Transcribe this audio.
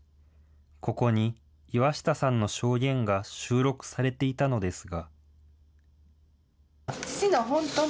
ここに岩下さんの証言が収録されていたのですが。